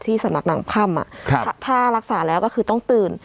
ที่สำนักหนังพร่ำอ่ะครับถ้ารักษาแล้วก็คือต้องตื่น